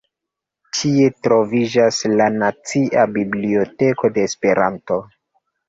Tie troviĝas la Nacia Biblioteko de Esperanto.